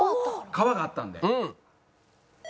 川があったんで。